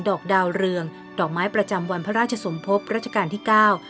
อกดาวเรืองดอกไม้ประจำวันพระราชสมภพรัชกาลที่เก้า